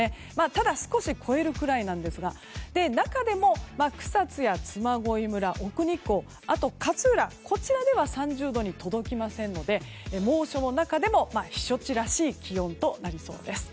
ただ少し超えるくらいなんですが中でも草津や嬬恋村、奥日光あと勝浦、こちらでは３０度に届きませんので猛暑の中でも避暑地らしい気温となりそうです。